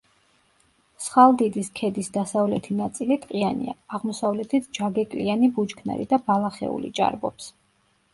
მსხალდიდის ქედის დასავლეთი ნაწილი ტყიანია, აღმოსავლეთით ჯაგეკლიანი ბუჩქნარი და ბალახეული ჭარბობს.